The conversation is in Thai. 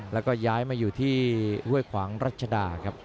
แล้วก็ย้ายมาอยู่ที่ห้วยขวางรัชดาครับ